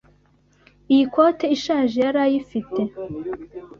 Iyi kote ishaje yarayifite.